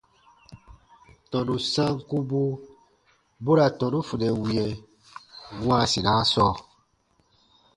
Tɔnu sankubu bu ra tɔnu funɛ wĩɛ wãasinaa sɔɔ.